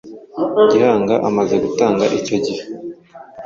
Gihanga amaze gutanga icyo gihe